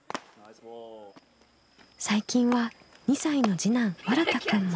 最近は２歳の次男わらたくんも。